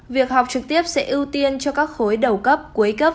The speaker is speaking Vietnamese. việc học trực tiếp sẽ ưu tiên cho các khối đầu cấp cuối cấp